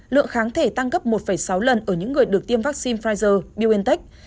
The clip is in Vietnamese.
lượng kháng thể tăng gấp một sáu lần ở những người được tiêm vaccine pfizer biontech